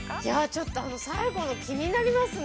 ◆ちょっと、最後の気になりますね。